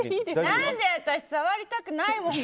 何で私触りたくないもん！